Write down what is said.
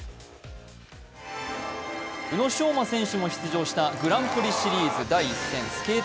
宇野昌磨選手も出場したグランプリシリーズ第１戦、スケート